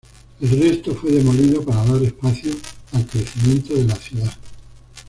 El resto fue demolido para dar espacio al crecimiento de la ciudad.